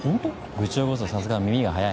部長こそさすが耳が早い。